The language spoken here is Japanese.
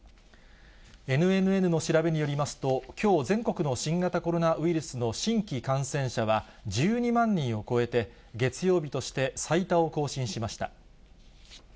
ＮＮＮの調べによりますと、きょう、全国の新型コロナウイルスの新規感染者は１２万人を超えて、月曜日として最多を更新しました。